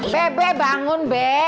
be be bangun be